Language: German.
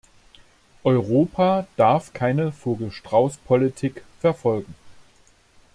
Europa darf keine Vogel-Strauß-Politik verfolgen.